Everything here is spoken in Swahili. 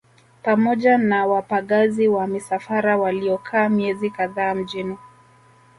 Pamoja na wapagazi wa misafara waliokaa miezi kadhaa mjini